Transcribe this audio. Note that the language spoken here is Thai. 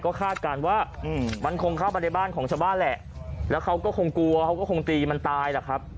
ก็คาดการณ์ว่ามันคงเข้ามาในบ้านของชาวบ้านแหละแล้วเขาก็คงกลัวเขาก็คงตีมันตายแหละครับ